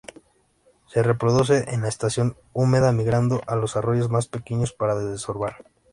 Se reproduce en la estación húmeda, migrando a los arroyos más pequeños para desovar.